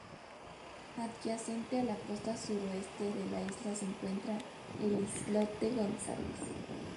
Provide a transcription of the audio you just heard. Adyacente a la costa sureste de la isla se encuentra el Islote González.